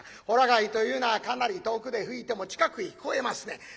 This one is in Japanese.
ほら貝というのはかなり遠くで吹いても近くに聞こえますね。